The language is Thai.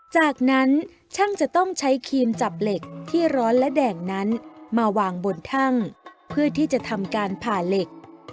จากนั้นช่างจะต้องใช้ครีมจับเหล็กที่ร้อนและแดงนั้นมาวางบนทั่งเพื่อที่จะทำการผ่าเหล็ก